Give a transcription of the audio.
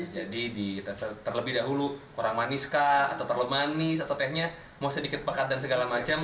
jadi terlebih dahulu kurang manis kah atau terlalu manis atau tehnya mau sedikit pekat dan segala macam